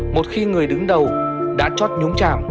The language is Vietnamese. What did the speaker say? một khi người đứng đầu đã chót nhúng chảm